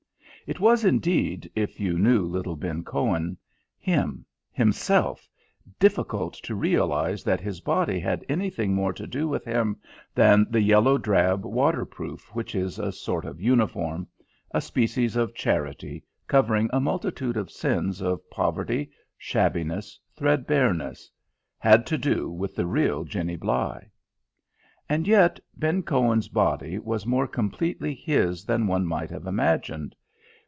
It was indeed, if you knew little Ben Cohen, him, himself, difficult to realise that his body had anything more to do with him than the yellow drab water proof which is a sort of uniform a species of charity, covering a multitude of sins of poverty, shabbiness, thread bareness had to do with the real Jenny Bligh. And yet, Ben Cohen's body was more completely his than one might have imagined.